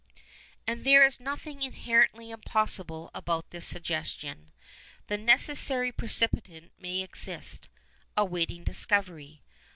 And there is nothing inherently impossible about this suggestion. The necessary precipitant may exist, awaiting discovery.